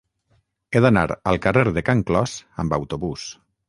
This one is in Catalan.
He d'anar al carrer de Can Clos amb autobús.